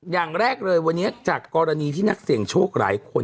อย่างแรกเลยวันนี้จากกรณีที่นักเสี่ยงโชคหลายคน